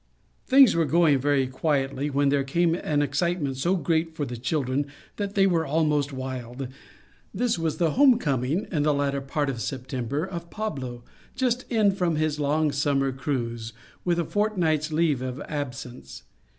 Things were going very quietly, when there came an excitement so great for the children that they were almost wild. This was the home coming, in the latter part of September, 104 A Tertulia 105 of Pablo, just in from his long summer cruise, with a fortnight's leave of absence.